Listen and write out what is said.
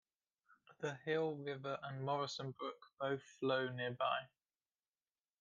The Hill River and Morrison Brook both flow nearby.